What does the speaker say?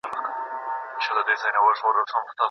راځه جهاني بس که د غزل له سترګو اوښکي